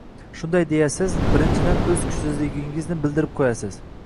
Shunday deya siz, birinchidan, o‘z kuchsizligingiz bildirib qo'yasiz.